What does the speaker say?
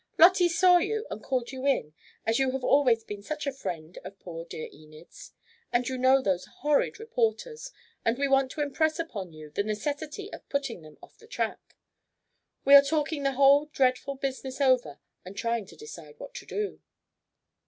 "Lottie saw you and called you in as you have always been such a friend of poor dear Enid's, and you know those horrid reporters, and we want to impress upon you the necessity of putting them off the track. We are talking the whole dreadful business over and trying to decide what to do."